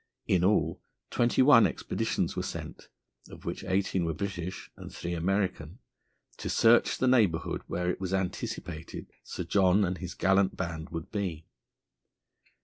In all, twenty one expeditions were sent, of which eighteen were British and three American, to search the neighbourhood where it was anticipated Sir John and his gallant band would be.